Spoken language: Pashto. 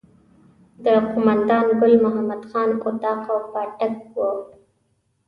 د قوماندان ګل محمد خان اطاق او پاټک وو.